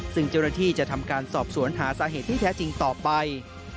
ซึ่งเจ้าหน้าที่จะทำการสอบสวนหาสาเหตุที่แท้จริงต่อไป